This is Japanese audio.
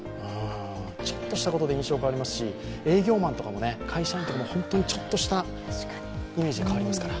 ちょっとしたことで印象変わりますし営業マンとかも会社員とかもちょっとしたことでイメージが変わりますから。